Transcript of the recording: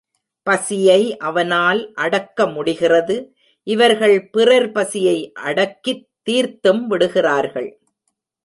பசியை அவனால் அடக்க முடிகிறது இவர்கள் பிறர் பசியை அடக்கித் தீர்த்தும்விடுகிறார்கள்.